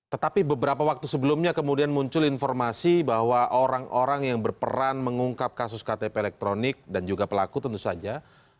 tetapi beberapa waktu sebelumnya kemudian muncul informasi bahwa orang orang yang berperan mengungkap kasus ktp elektronik dan juga pelaku tentu saja